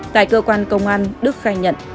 tại cơ quan công an đức khai nhận